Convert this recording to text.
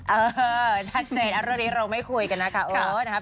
เออจัดเจนเอาเรื่องนี้เราไม่คุยกันนะคะโอ้โหนะครับ